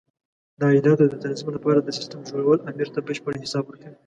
د عایداتو د تنظیم لپاره د سیسټم جوړول امیر ته بشپړ حساب ورکوي.